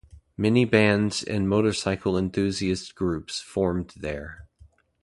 Many bands and motorcycle enthusiast groups formed there.